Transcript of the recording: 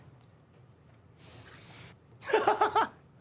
ハハハハ！